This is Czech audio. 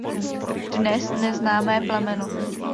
Dnes neznámé plemeno.